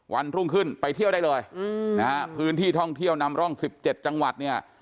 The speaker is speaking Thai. วันรุ่งขึ้นไปเที่ยวได้เลยนะฮะพื้นที่ท่องเที่ยวนำร่อง๑๗จังหวัดเนี่ย